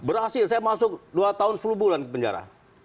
berhasil saya masuk dua tahun sepuluh bulan ke penjara